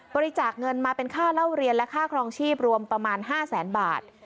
บริจาคเงินมาเป็นค่าเล่าเรียนและค่าครองชีพรวมประมาณ๕แสนบาท